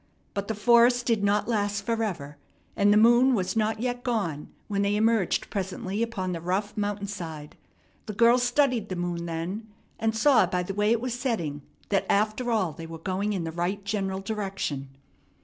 But the forest did not last forever, and the moon was not yet gone when they emerged presently upon the rough mountain side. The girl studied the moon then, and saw by the way it was setting that after all they were going in the right general direction.